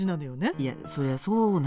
いやそりゃそうなんだけど。